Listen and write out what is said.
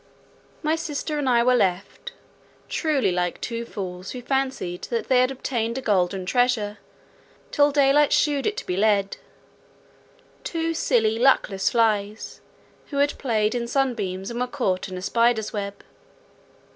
My sister and I were left—truly like two fools, who fancied that they had obtained a golden treasure, till daylight shewed it to be lead—two silly, luckless flies, who had played in sunbeams and were caught in a spider's web.